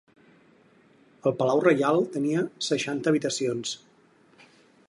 El Palau reial tenia seixanta habitacions.